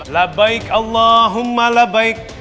la baik allahumma la baik